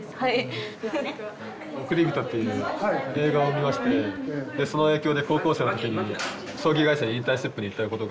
「おくりびと」っていう映画を見ましてでその影響で高校生の時に葬儀会社にインターンシップに行ったことが。